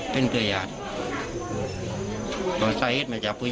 เป็นเกลือหยาดโดยทรายเหตุมาจากผู้เย้ย